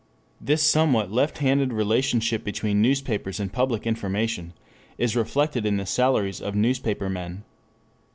This somewhat left handed relationship between newspapers and public information is reflected in the salaries of newspaper men.